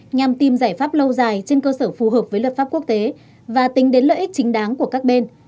nhằm tìm giải pháp lâu dài trên cơ sở phù hợp với luật pháp quốc tế và tính đến lợi ích chính đáng của các bên